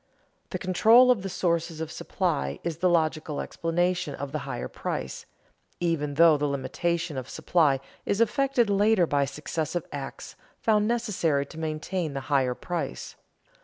The control of the sources of supply is the logical explanation of the higher price, even though the limitation of supply is effected later by successive acts found necessary to maintain the higher price.